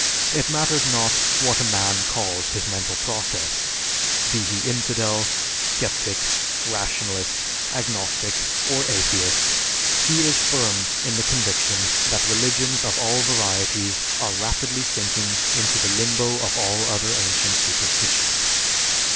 It matters not what a man calls his mental process; be he infidel, sceptic, rationalist, agnostic, or atheist; he is firm in the conviction that religions of all varieties are rapidly sinking into the limbo of all other ancient superstitions.